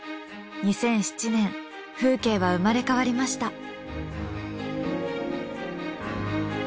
２００７年風景は生まれ変わりました。